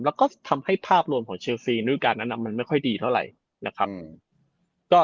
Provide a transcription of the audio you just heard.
แล้วก็ทำให้ภาพรวมของเชลซีรุ่นการนั้นมันไม่ค่อยดีเท่าไหร่นะครับ